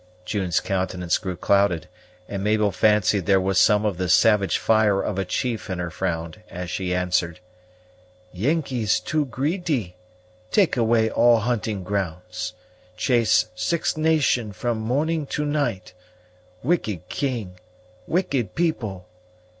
June's countenance grew clouded, and Mabel fancied there was some of the savage fire of a chief in her frown as she answered, "Yengeese too greedy, take away all hunting grounds; chase Six Nation from morning to night; wicked king, wicked people.